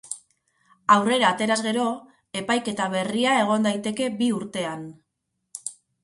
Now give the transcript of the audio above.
Aurrera ateraz gero, epaiketa berria egon daiteke bi urtean.